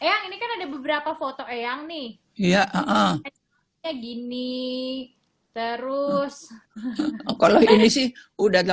kayak ini kan ada beberapa foto eyang nih iya gini terus kalau ini sih udah delapan puluh dua